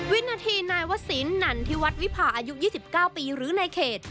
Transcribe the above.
วินาทีนายวศิลปนันทิวัฒนวิพาอายุ๒๙ปีหรือในเขต